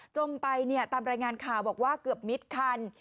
จมไปตามรายงานข่าวบอกว่าเกือบมิดคัน